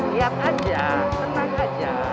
lihat aja tenang aja